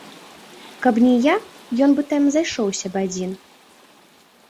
Каб не я, ён бы там зайшоўся б адзін.